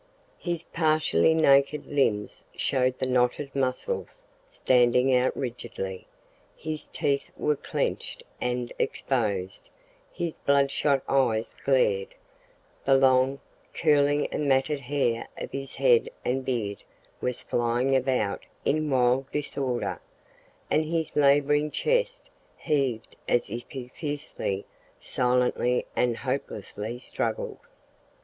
His partially naked limbs showed the knotted muscles standing out rigidly; his teeth were clenched and exposed; his blood shot eyes glared; the long, curling and matted hair of his head and beard was flying about in wild disorder; and his labouring chest heaved as he fiercely, silently, and hopelessly struggled.